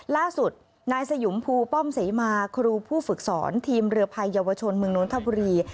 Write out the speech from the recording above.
ล่าสุดนายสยุมภูป้อมเสมาครูผู้ฝึกสอนทีมเรือภัยเยาวชนเมืองนทบุรี